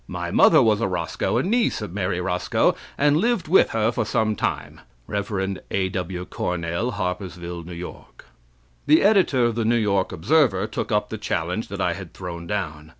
My mother was a Roscoe, a niece of Mary Roscoe, and lived with her for some time. Rev. A.W. Cornell, Harpersville, N.Y." The editor of the New York Observer took up the challenge that I had thrown down.